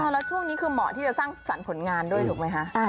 แล้วช่วงนี้คือเหมาะที่จะสร้างสรรค์ผลงานด้วยถูกไหมคะ